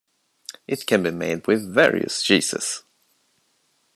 It can be made with various cheeses.